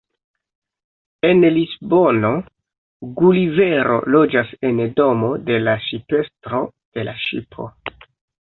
En Lisbono Gulivero loĝas en domo de la ŝipestro de la ŝipo.